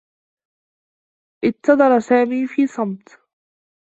اتظر سامي في صمت.